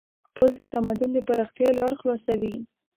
پُل د تمدن د پراختیا لار خلاصوي.